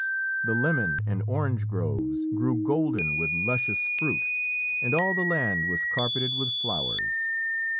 The lemon and orange groves grew golden with luscious fruit, and all the land was carpeted with flowers.